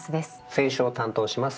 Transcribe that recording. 選書を担当します